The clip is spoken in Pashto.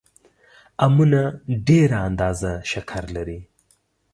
امونه ډېره اندازه شکر لري